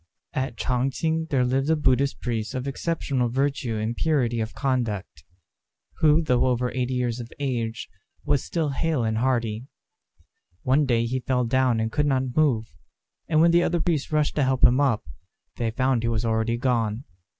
At Ch'ang ch'ing there lived a Buddhist priest of exceptional virtue and purity of conduct, who, though over eighty years of age, was still hale and hearty. One day he fell down and could not move; and when the other priests rushed to help him up, they found he was already gone.